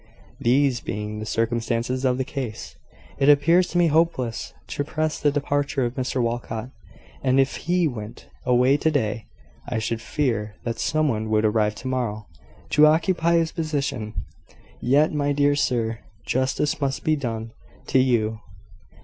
"These being the circumstances of the case, it appears to me hopeless to press the departure of Mr Walcot. And if he went away to day, I should fear that some one would arrive to morrow to occupy his position. Yet, my dear sir, justice must be done to you.